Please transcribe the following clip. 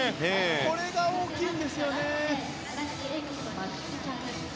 これが大きいんですよね。